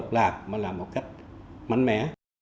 tiếp tục làm mà làm một cách mạnh mẽ